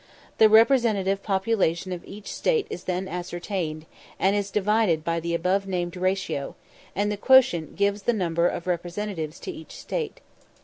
The representative population of each State is then ascertained, and is divided by the above named ratio, and the quotient gives the number of representatives to each State.